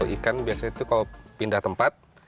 ikan biasanya itu kalau pindah tempat